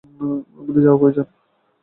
আমাদের যাওয়া প্রয়োজন!